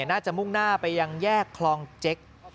มุ่งหน้าไปยังแยกคลองเจ๊ก